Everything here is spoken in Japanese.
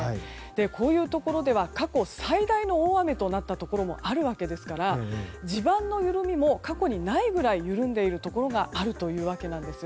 こういうところでは過去最大の大雨となったところもあるわけですから地盤の緩みも過去にないぐらい緩んでいるところもあるというわけなんです。